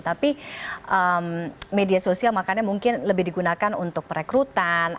tapi media sosial makanya mungkin lebih digunakan untuk perekrutan